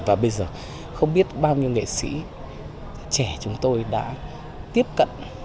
và bây giờ không biết bao nhiêu nghệ sĩ trẻ chúng tôi đã tiếp cận